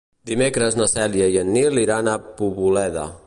Dimecres na Cèlia i en Nil iran a Poboleda.